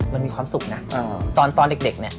มันมีความสุขนะตอนเด็กเนี่ย